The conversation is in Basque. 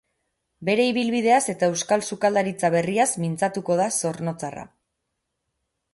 Bere ibilbideaz eta euskal sukaldaritza berriaz mintzatuko da zornotzarra.